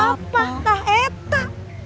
apa apa kah eta